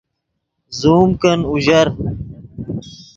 زوم کن اوژر